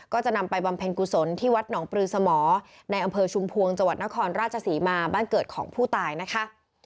ก็จะนำไปบำเพ็ญกุศลที่วัดหนองปลือสมอในอำเภอชุมพวงจังหวัดนครราชศรีมาบ้านเกิดของผู้ตายนะคะ